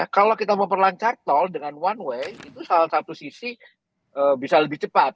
kalau kita mau perlancar tol dengan one way itu salah satu sisi bisa lebih cepat